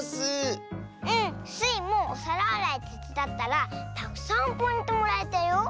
スイもおさらあらいてつだったらたくさんポイントもらえたよ。